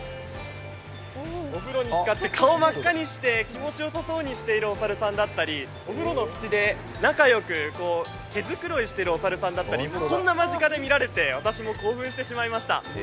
お風呂に使って顔を真っ赤にして気持ちよさそうにしているお猿さんだったりお風呂の縁で仲良く毛繕いしているお猿さんだったりこんな間近で見られて私も興奮してしまいました。